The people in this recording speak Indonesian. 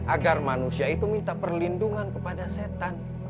agar manusia itu minta perlindungan kepada setan